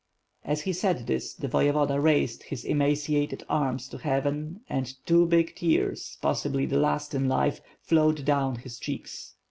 As he said this, the Voyevoda raised his emaciated arms to heaven and two big tears, possibly the last in life, flowed down his cheeks.